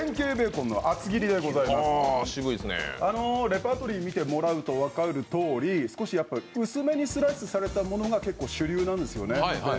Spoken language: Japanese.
レパートリー見てもらうと分かるとおり少しやっぱり薄めにスライスされたものが結構、主流なんですよね。